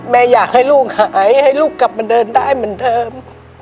อยากให้ลูกหายให้ลูกกลับมาเดินได้เหมือนเดิม